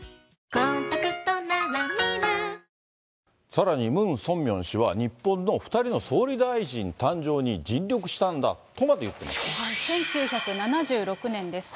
さらにムン・ソンミョン氏は、日本の２人の総理大臣誕生に尽力したんだとまで言ってます。